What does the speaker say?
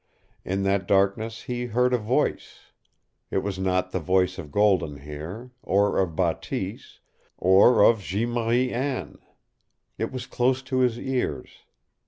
In that darkness he heard a voice. It was not the voice of Golden Hair, or of Bateese, or of Jeanne Marie Anne. It was close to his ears.